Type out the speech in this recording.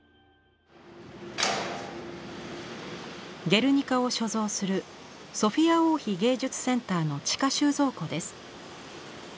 「ゲルニカ」を所蔵するソフィア王妃芸術センターの地下収蔵庫です。